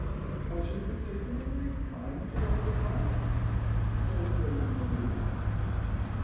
"Was he particularly kind to our papa?" says Lady Maria.